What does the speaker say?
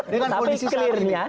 dengan kondisi saat ini